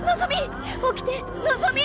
起きてのぞみ！